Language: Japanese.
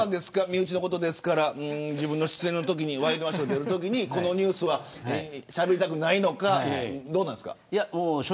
身内のことですから自分の出演のときにワイドナショー出るときにこのニュースはしゃべりたくないのかどうですか。